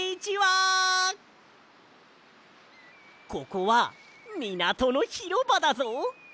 ここはみなとのひろばだぞ！